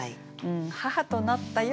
「母となったよ」